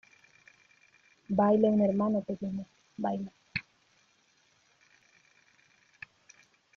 Baila un hermano pequeña, baila